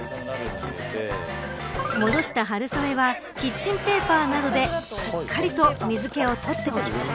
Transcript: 戻した春雨はキッチンペーパーなどでしっかりと水気を取っておきます。